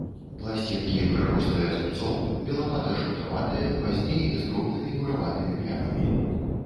Пласцінкі прырослыя зубцом, белавата-жаўтаватыя, пазней з дробнымі бураватымі плямамі.